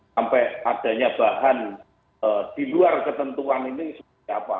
sampai adanya bahan di luar ketentuan ini seperti apa